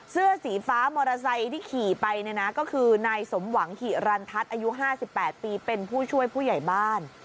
เสื้อสีฟ้ามอเตอร์ไซค์ที่ขี่ไปเนี่ยนะก็คือนายสมหวังหิรันทัศน์อายุ๕๘ปีเป็นผู้ช่วยผู้ใหญ่บ้าน